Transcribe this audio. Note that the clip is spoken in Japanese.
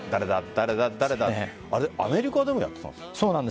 あれアメリカでもやってたんです。